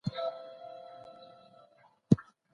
د ملي ورځو لمانځنه کیده.